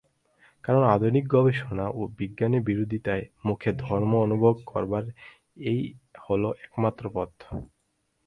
কারণ আধুনিক গবেষণা ও বিজ্ঞানের বিরোধিতার মুখে ধর্ম অনুভব করবার এই হল একমাত্র পথ।